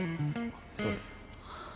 すいません。